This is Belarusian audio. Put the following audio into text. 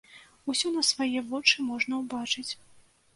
Усё на свае вочы можна ўбачыць.